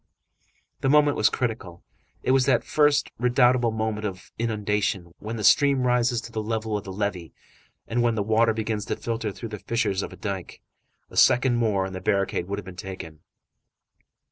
The moment was critical. It was that first, redoubtable moment of inundation, when the stream rises to the level of the levee and when the water begins to filter through the fissures of dike. A second more and the barricade would have been taken.